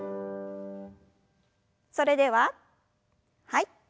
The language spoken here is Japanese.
それでははい。